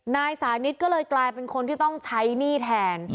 นายสานิทก็เลยกลายเป็นคนที่ต้องใช้หนี้แทน